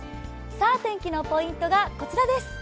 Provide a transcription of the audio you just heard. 天気のポイントがこちらです。